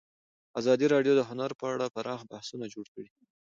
ازادي راډیو د هنر په اړه پراخ بحثونه جوړ کړي.